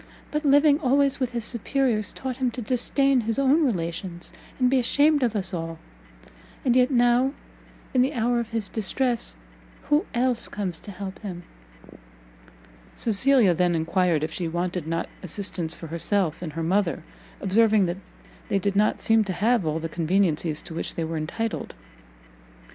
But living always with his superiors, taught him to disdain his own relations, and be ashamed of us all; and yet now, in the hour of his distress who else comes to help him?" Cecilia then enquired if she wanted not assistance for herself and her mother, observing that they did not seem to have all the conveniencies to which they were entitled.